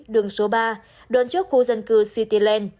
đường số ba đoàn trước khu dân cư cityland